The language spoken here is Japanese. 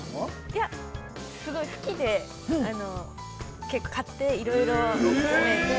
◆いや、すごい好きで、買って、いろいろ。